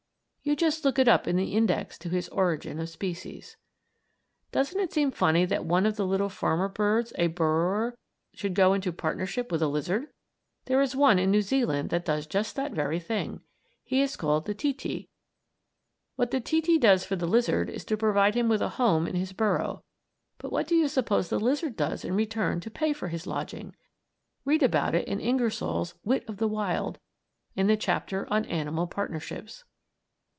You just look it up in the index to his "Origin of Species." Doesn't it seem funny that one of the little farmer birds a burrower should go into partnership with a lizard? There is one in New Zealand that does that very thing. He is called the titi. What the titi does for the lizard is to provide him with a home in his burrow, but what do you suppose the lizard does in return to pay for his lodging? Read about it in Ingersoll's "Wit of the Wild," in the chapter on "Animal Partnerships."